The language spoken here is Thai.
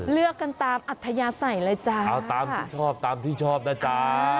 เลือกกันตามอัธยาศัยเลยจ้าเอาตามที่ชอบตามที่ชอบนะจ๊ะ